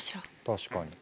確かに。